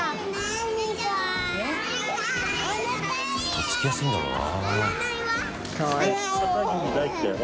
とっつきやすいんだろうな。